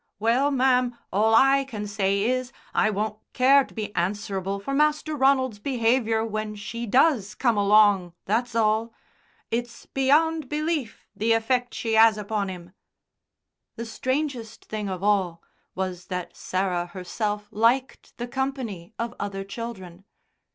"Well, ma'am, all I can say is, I won't care to be answerable for Master Ronald's behaviour when she does come along, that's all. It's beyond belief the effect she 'as upon 'im." The strangest thing of all was that Sarah herself liked the company of other children.